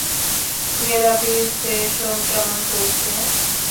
Therapy session কেমন চলছে?